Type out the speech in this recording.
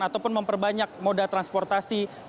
ataupun memperbanyak moda transportasi